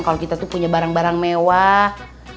kalau kita tuh punya barang barang mewah